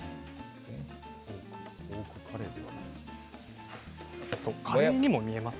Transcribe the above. ポークカレーではないんだ。